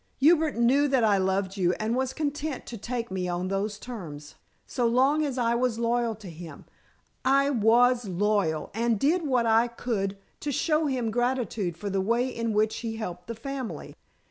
Hubert knew that I loved you, and was content to take me on those terms so long as I was loyal to him. I was loyal, and did what I could to show him gratitude for the way in which he helped the family.